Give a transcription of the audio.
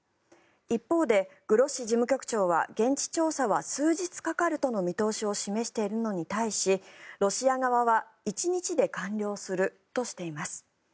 一方で、グロッシ事務局長は現地調査は数日かかるとの見通しを示しているのに対しロシア側は１日で完了するとしています。